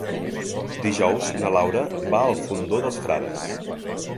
Dijous na Laura va al Fondó dels Frares.